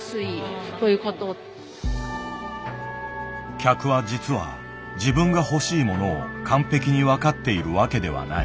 客は実は自分が欲しいものを完璧に分かっているわけではない。